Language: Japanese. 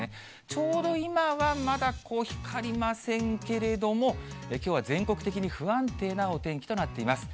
ちょうど今は、まだ光りませんけれども、きょうは全国的に不安定なお天気となっています。